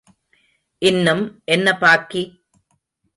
இன்னும் என்ன பாக்கி?